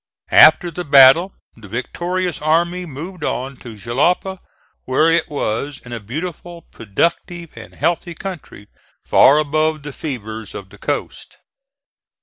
After the battle the victorious army moved on to Jalapa, where it was in a beautiful, productive and healthy country, far above the fevers of the coast.